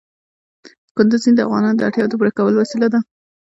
کندز سیند د افغانانو د اړتیاوو د پوره کولو وسیله ده.